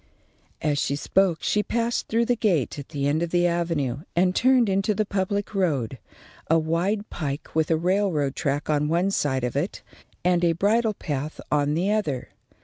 As she spoke, she passed through the gate at the end of the avenue and turned into the public road, a wide pike with a railroad track on one side of it and a bridle path on the other.